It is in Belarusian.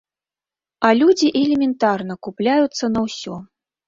А людзі элементарна купляюцца на ўсё.